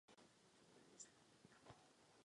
Neradi bychom popletli položky.